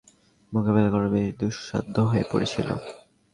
তার চমৎকার off-break bowling মোকাবেলা করা বেশ দুঃসাধ্য হয়ে পড়েছিল।